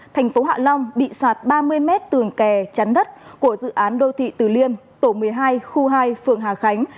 thành phố hạ long bị sạt ba mươi mét tường kè chắn đất của dự án đô thị từ liêm tổ một mươi hai khu hai phường hà khánh